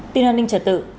tin an ninh trật tự